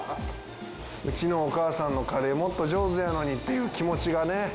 うちのお母さんのカレーもっと上手やのにっていう気持ちがね。